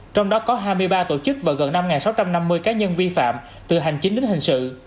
còn năm sáu trăm năm mươi cá nhân vi phạm từ hành chính đến hình sự